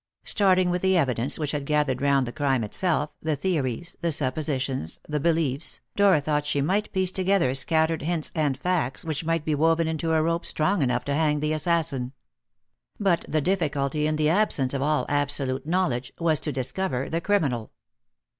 Starting with the evidence which had gathered round the crime itself, the theories, the suppositions, the beliefs, Dora thought she might piece together scattered hints and facts, which might be woven into a rope strong enough to hang the assassin. But the difficulty, in the absence of all absolute knowledge, was to discover the criminal.